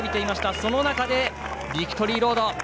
その中で、ビクトリーロード。